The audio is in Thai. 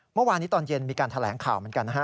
เมื่อวานนี้ตอนเย็นมีการแถลงข่าวเหมือนกันนะฮะ